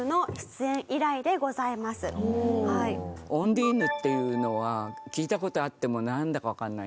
『オンディーヌ』っていうのは聞いた事あってもなんだかわかんない。